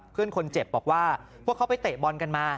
เพื่อนคนเจ็บบอกว่าพวกเขาไปเตะบอลกันมา